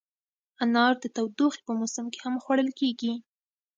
انار د تودوخې په موسم کې هم خوړل کېږي.